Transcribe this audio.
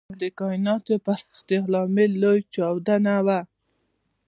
د کائناتو پراختیا لامل لوی چاودنه وه.